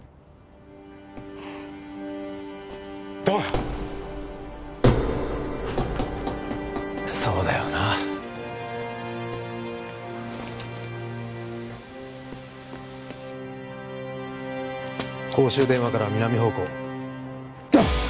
ドンそうだよな公衆電話から南方向ドン！